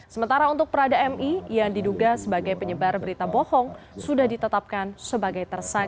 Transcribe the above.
sementara untuk prada mi yang diduga sebagai penyebar berita bohong sudah ditetapkan sebagai tersangka